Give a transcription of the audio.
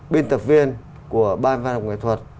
bên tập viên của ban văn hóa nghệ thuật